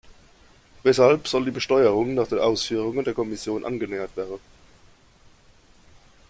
Weshalb soll die Besteuerung nach den Ausführungen der Kommission angenähert werden?